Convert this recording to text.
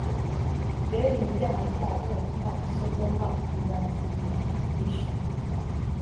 beruye ibyaha byabo nka sodoma, ntibakibihisha